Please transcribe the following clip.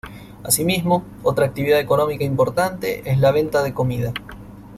Así mismo, otra actividad económica importante es la venta de comida.